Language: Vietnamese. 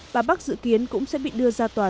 và bắc dự kiến cũng sẽ bị đưa ra tòa